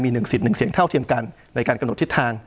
มี๑สิทธิ์๑เสียงเท่าเทียมกันในการกำหนดทิศทาง